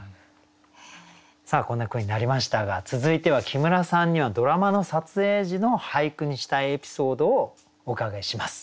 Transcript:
さあこんな句になりましたが続いては木村さんにはドラマの撮影時の俳句にしたいエピソードをお伺いします。